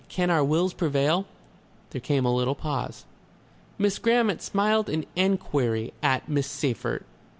"Can our wills prevail?" There came a little pause. Miss Grammont smiled an enquiry at Miss Seyffert.